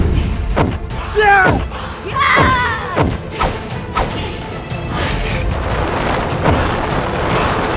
jangan tinggalkan aku